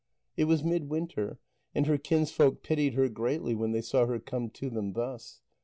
It was midwinter, and her kinsfolk pitied her greatly when they saw her come to them thus.